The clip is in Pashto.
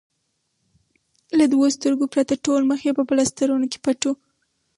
له دوو سترګو پرته ټول مخ یې په پلاسټرونو کې پټ و.